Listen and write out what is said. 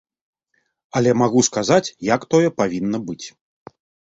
Але магу сказаць, як тое павінна быць.